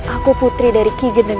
aku putri dari kigen dan danuasa